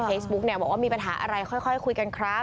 เทสบุ็กเนี่ยบอกว่ามีปัญหาอะไรค่อยค่อยคุยกันครับ